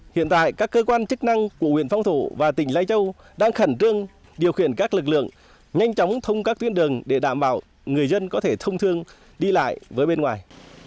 hiện tại các cơ quan chức năng của huyện phong thổ và tỉnh lai châu đang khẩn trương điều khiển các lực lượng nhanh chóng thông các tuyến đường để đảm bảo người dân có thể thông thương đi lại với bên ngoài